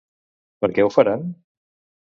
Per què ho faran?